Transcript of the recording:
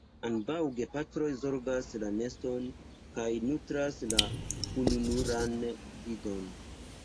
Ambaŭ gepatroj zorgas la neston kaj nutras la ununuran idon.